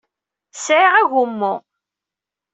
Sɛiɣ agummu.